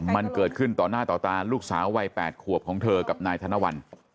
มันเกิดขึ้นต่อหน้าต่อตาลูกสาววัย๘ขวบของเธอกับนายธนวัล